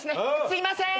すいませーん。